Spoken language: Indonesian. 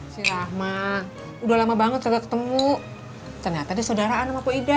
si rahma udah lama banget gak ketemu ternyata dia saudaraan sama pu ida